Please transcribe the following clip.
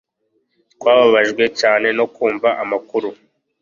Twababajwe cyane no kumva amakuru